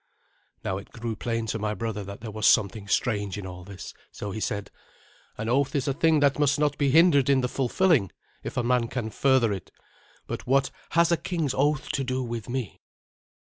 Now it grew plain to my brother that there was something strange in all this, so he said, "An oath is a thing that must not be hindered in the fulfilling, if a man can further it. But what has a king's oath to do with me?"